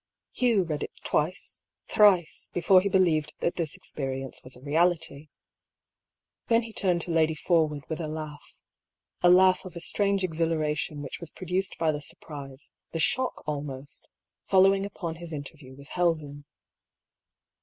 Hugh read it twice, thrice, before he believed that this experience was a reality. Then he turned to Lady Forwood with a laugh — a laugh of a strange exhilara A QUESTIONABLE DOCTRINE. 249 tion whicli was produced by the surprise, the shock al most, following updn his interview with Helven.